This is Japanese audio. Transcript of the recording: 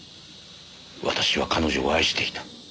私は彼女を愛していた。